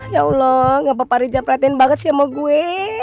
ya allah ngapa pak riza perhatian banget sih sama gue